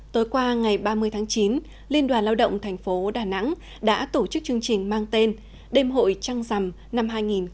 tối qua ngày ba mươi tháng chín liên đoàn lao động thành phố đà nẵng đã tổ chức chương trình mang tên đêm hội trăng rằm năm hai nghìn một mươi chín